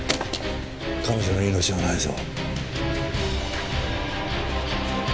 彼女の命はないぞ。